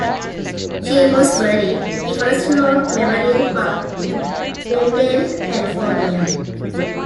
She was buried in Forest Lawn Memorial Park in Glendale, California.